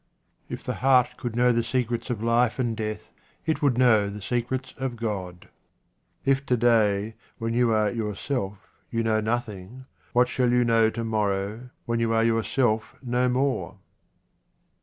If the heart could know the secrets of life and death, it would know the secrets of God. If to day, when you are yourself, you know nothing, what shall you know to morrow, when you are yourself no more